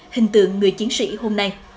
hình tượng người chiến sĩ hôm nay